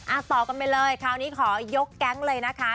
ต่อกันไปเลยคราวนี้ขอยกแก๊งเลยนะคะ